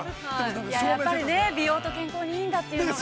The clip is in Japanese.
◆やっぱり美容と健康にいいんだというのがね。